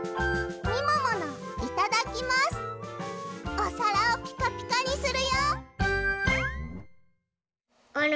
おさらをピカピカにするよ！